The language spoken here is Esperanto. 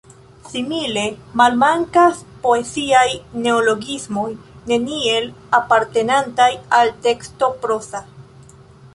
Simile malmankas poeziaj neologismoj, neniel apartenantaj al teksto proza.